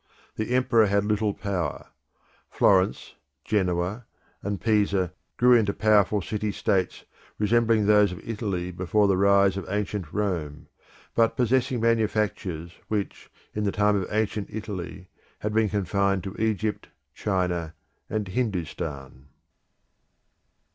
The Emperor had little power; Florence, Genoa, and Pisa grew into powerful city states resembling those of Italy before the rise of ancient Rome, but possessing manufactures which, in the time of ancient Italy, had been confined to Egypt, China, and Hindustan.